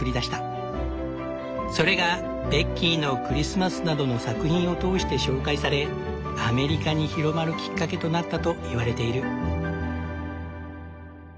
それが「ベッキーのクリスマス」などの作品を通して紹介されアメリカに広まるきっかけとなったといわれている。